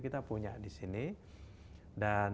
kita punya disini dan